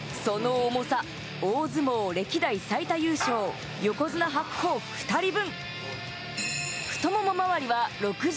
その重さ、大相撲歴代最多優勝、横綱・白鵬２人分。